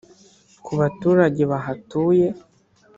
Ku baturage bahatuye